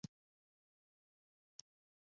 مصنوعي ځیرکتیا د وقایوي پاملرنې ارزښت زیاتوي.